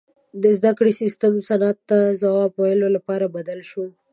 • د زدهکړې سیستم صنعت ته ځواب ویلو لپاره بدل شو.